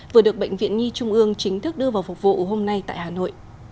vừa được bệnh viện nhi trung ương chính thức đưa vào phục vụ hôm nay tại hà nội